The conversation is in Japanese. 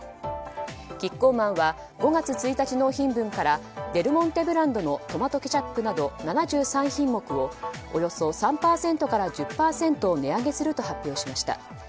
キッコーマンは５月１日納品分からデルモンテブランドのトマトケチャップなど７３品目をおよそ３％から１０％値上げすると発表しました。